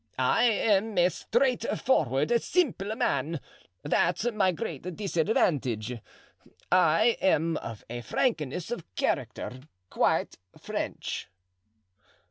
I am a straightforward, simple man; that's my great disadvantage. I am of a frankness of character quite French."